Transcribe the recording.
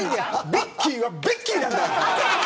ベッキーはベッキーだから。